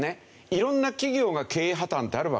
色んな企業が経営破たんってあるわけですよ。